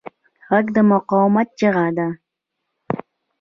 غږ د مقاومت چیغه ده